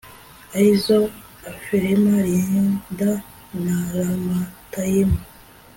ari zo aferema, lida na ramatayimu